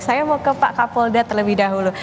saya mau ke pak kapolda terlebih dahulu